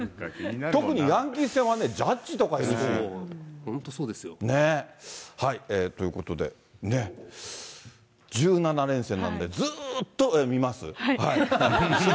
特にヤンキース戦はね、本当そうですよ。ということで、１７連戦なんで、ずっと見ます。